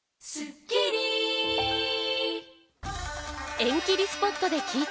縁切りスポットで聞いた！